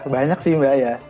banyak sih mbak ya